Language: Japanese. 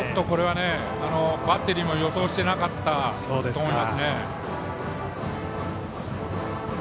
これはバッテリーも予想していなかったと思います。